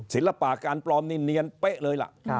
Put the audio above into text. ศิลปะการปลอมนี่เนียนเป๊ะเลยล่ะ